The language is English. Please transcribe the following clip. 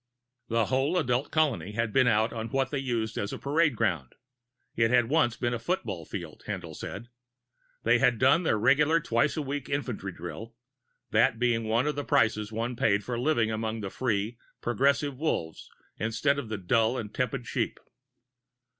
The whole adult colony had been out on what they used as a parade ground it had once been a football field, Haendl said. They had done their regular twice a week infantry drill, that being one of the prices one paid for living among the free, progressive Wolves instead of the dull and tepid sheep.